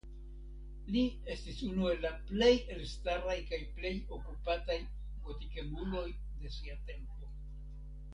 Li estis unu el la plej elstaraj kaj plej okupataj gotikemuloj de sia tempo.